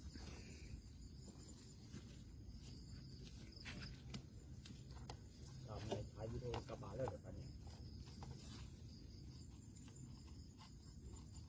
ถ้าลงเถอะก็เข้ากันกันแล้วเข้าเป็นบางตัว